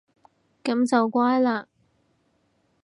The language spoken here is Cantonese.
噉就乖嘞